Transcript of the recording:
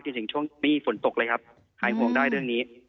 จนถึงช่วงนี้ฝนตกเลยครับหายห่วงได้เรื่องนี้